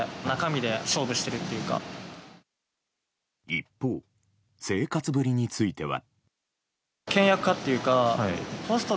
一方、生活ぶりについては。